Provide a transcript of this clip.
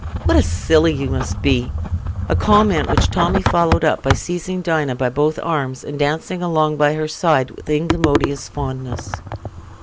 What a silly you must be!" a comment which Tommy followed up by seizing Dinah with both arms, and dancing along by her side with incommodious fondness.